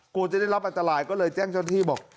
กลัวจะได้รับอันตรายก็เลยแจ้งเจ้าหน้าที่บอก